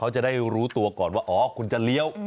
เขาจะได้รู้ตัวก่อนว่าอ๋อคุณจะเลี้ยว